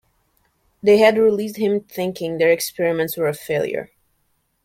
They had released him thinking their experiments were a failure.